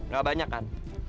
gak banyak kan